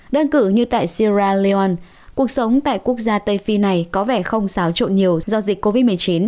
đơn cử như tại sierra leonarn cuộc sống tại quốc gia tây phi này có vẻ không xáo trộn nhiều do dịch covid một mươi chín